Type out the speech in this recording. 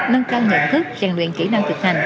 nâng cao nhận thức rèn luyện kỹ năng thực hành